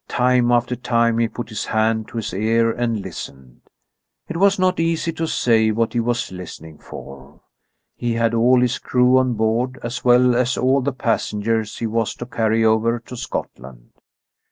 Time after time he put his hand to his ear and listened. It was not easy to say what he was listening for. He had all his crew on board, as well as all the passengers he was to carry over to Scotland.